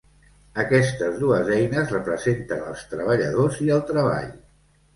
Aquestes dues eines representen els treballadors i el treball.